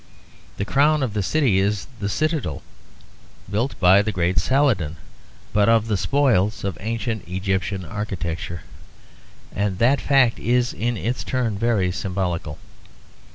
The crown of the city is the citadel, built by the great Saladin but of the spoils of ancient Egyptian architecture; and that fact is in its turn very symbolical.